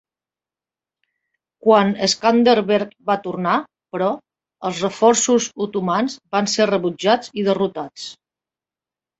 Quan Skanderbeg va tornar, però, els reforços otomans van ser rebutjats i derrotats.